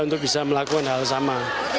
untuk bisa melakukan hal sama